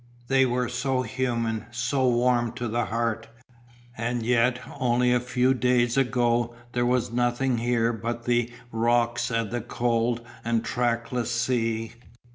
They were so human, so warm to the heart, and yet only a few days ago there was nothing here but the rocks and the cold and trackless sea.